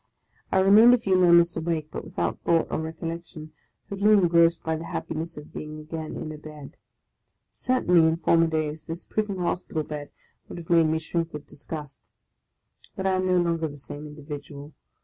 I remained a few moments awake, but without thought or recollection, totally engrossed by the happiness of being again in a bed. Certainly, in former days, this prison hospital bed would have made me shrink with disgust; but I am no longer the same individual.